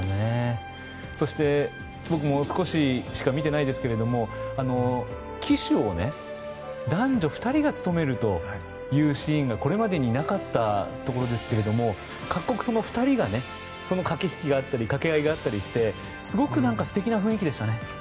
そして、僕も少ししか見ていないですけど旗手を男女２人が務めるというシーンがこれまでになかったところですが各国２人が、その駆け引きや掛け合いがあったりしてすごく素敵な雰囲気でしたね。